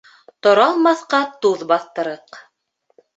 Торалмаҫҡа туҙ баҫтырыҡ.